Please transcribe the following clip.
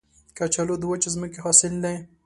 کچالو د وچې ځمکې حاصل دی